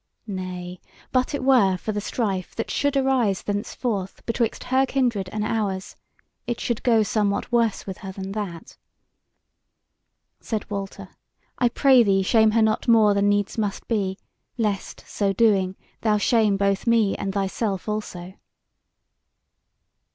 Nay, but it were for the strife that should arise thenceforth betwixt her kindred and ours, it should go somewhat worse with her than that." Said Walter: "I pray thee shame her not more than needs must be, lest, so doing, thou shame both me and thyself also."